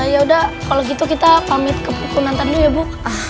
yaudah kalo gitu kita pamit ke mantan dulu ya bu